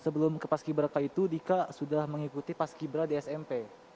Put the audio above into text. sebelum ke pas kibra k itu dika sudah mengikuti pas kibra di smp